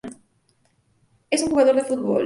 Es un jugador de fútbol.